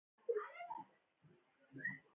نیکي کول څه ګټه لري؟